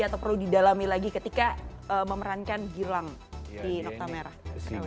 atau perlu didalami lagi ketika memerankan gilang di nokta merah